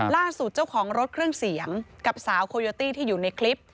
เจ้าของรถเครื่องเสียงกับสาวโคโยตี้ที่อยู่ในคลิป